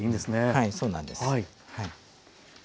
はいそうなんです。